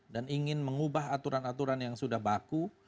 dan ingin mengubah aturan aturan yang sudah baku